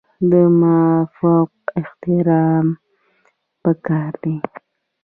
د مافوق احترام پکار دی